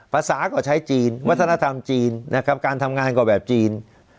ภาษาก็ใช้จีนวัฒนธรรมจีนนะครับการทำงานก็แบบจีน